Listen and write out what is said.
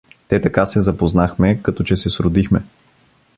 Те така се запознахме, като че се сродихме.